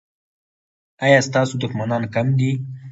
ایا ستاسو دښمنان کم دي؟